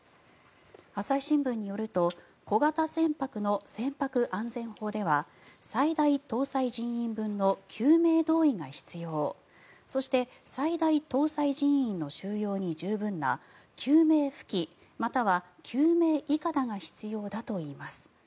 朝日新聞によると小型船舶の船舶安全法では最大搭載人員分の救命胴衣が必要そして、最大搭載人員の収容に十分な救命浮器または救命いかだが必要だといいます。